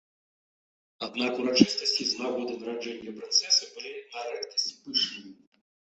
Аднак урачыстасці з нагоды нараджэння прынцэсы былі на рэдкасць пышнымі.